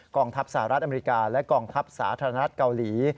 ทัพสหรัฐอเมริกาและกองทัพสาธารณรัฐเกาหลี